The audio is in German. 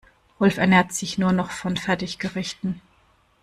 Rolf ernährt sich nur noch von Fertiggerichten.